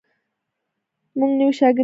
موږ نوي شاګردان لیدلي.